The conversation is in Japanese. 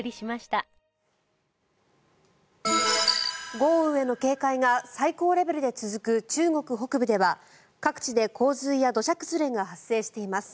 豪雨への警戒が最高レベルで続く中国北部では各地で洪水や土砂崩れが発生しています。